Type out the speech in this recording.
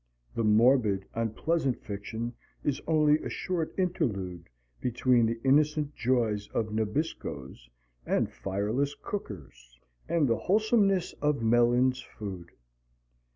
The morbid, unpleasant fiction is only a short interlude between the innocent joys of Nabiscos and fireless cookers, and the wholesomeness of Mellin's Food.